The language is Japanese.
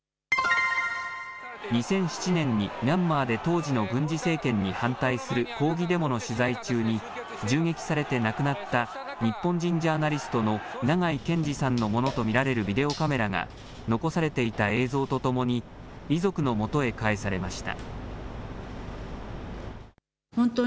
２００７年にミャンマーで当時の軍事政権に反対する抗議デモの取材中に銃撃されて亡くなった日本人ジャーナリストの長井健司さんのものと見られるビデオカメラが残されていた映像とともに遺族のもとへ返されました。